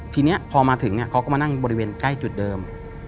ทีนี้พอมาถึงเขาก็มานั่งบริเวณใกล้จุดเดิม